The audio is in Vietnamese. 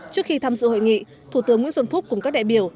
trước khi tham dự hội nghị thủ tướng nguyễn xuân phúc cùng các đại biểu